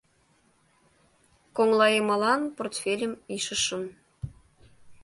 Коҥлайымалан портфельым ишышым.